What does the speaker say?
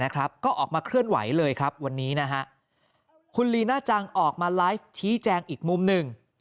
ก็ออกมาเคลื่อนไหวเลยครับวันนี้คุณลีน่าจังออกมาไลฟ์ชี้แจงอีกมุมหนึ่ง